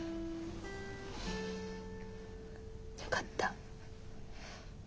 分かった。